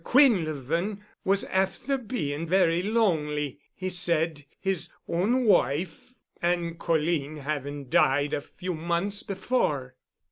Quinlevin was afther bein' very lonely, he said, his own wife and colleen havin' died a few months before."